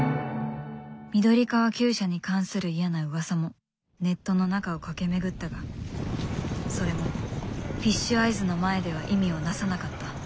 緑川厩舎に関する嫌なうわさもネットの中を駆け巡ったがそれもフィッシュアイズの前では意味をなさなかった。